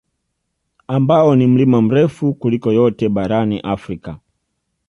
Ambao ni mlima mrefu kuliko yote barani Afrika